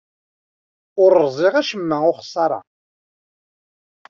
Ur rẓiɣ acemma ukessar-a.